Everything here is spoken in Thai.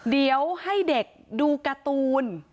เดี๋ยวให้เด็กดูการ์ตูน